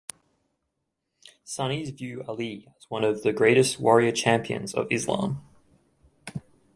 Sunnis view Ali as one of the greatest warrior champions of Islam.